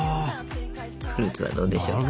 フルーツはどうでしょうか？